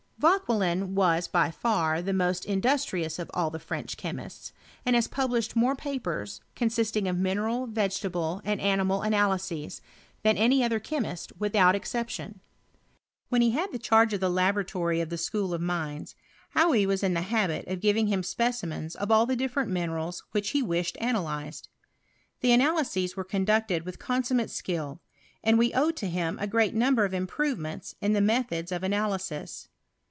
Vauquelin was by far the most industrious of all the French chemists, and has published more papers, consisting of mineral, vegetable, and animal analyses, than any other chemist without exception. When he had the charge of the laboratory of the School of Mines, Hauy was in the habit of giving him speci mens of all the different minerals which he wished analyzed. The analyses were conducted with con summate skill, and we owe to htm a great number of improvements in the methods of analysis.